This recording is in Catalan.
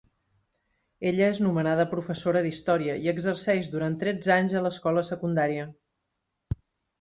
Ella és nomenada professora d'història i exerceix durant tretze anys a l'escola secundària.